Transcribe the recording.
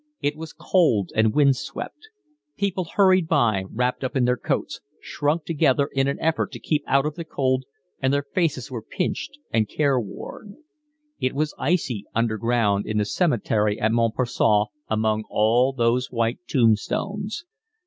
It was cold and wind swept. People hurried by wrapped up in their coats, shrunk together in an effort to keep out of the cold, and their faces were pinched and careworn. It was icy underground in the cemetery at Montparnasse among all those white tombstones.